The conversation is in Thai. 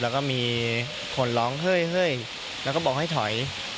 แล้วก็มีคนร้องเฮ้ยแล้วก็บอกให้ถอย